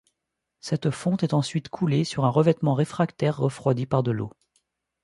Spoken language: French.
Cette fonte est ensuite coulée sur un revêtement réfractaire refroidi par de l'eau.